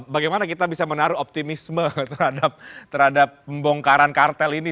bagaimana kita bisa menaruh optimisme terhadap pembongkaran kartel ini